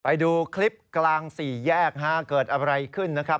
ไปดูคลิปกลางสี่แยกเกิดอะไรขึ้นนะครับ